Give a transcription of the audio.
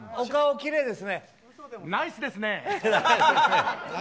きれいです。